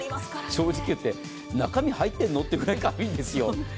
正直言って中身入ってるの？というぐらい軽いんですよ。